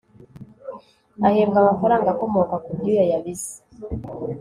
ahembwa amafaranga akomoka ku byuya yabize